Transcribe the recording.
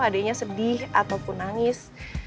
adeknya sedih ataupun nangis